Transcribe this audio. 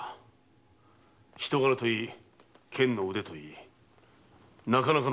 人柄といい剣の腕といいなかなかの男だな。